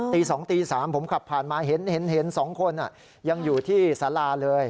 ตี๒ตี๓ผมขับผ่านมาเห็น๒คนยังอยู่ที่สาราเลย